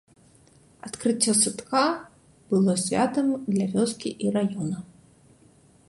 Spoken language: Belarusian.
Адкрыццё садка было святам для вёскі і раёна.